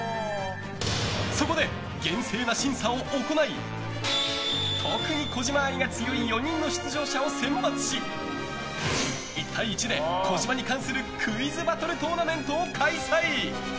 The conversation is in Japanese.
そこで、厳正な審査を行い特に児嶋愛が強い４人の出場者を選抜し１対１で、児嶋に関するクイズバトルトーナメントを開催。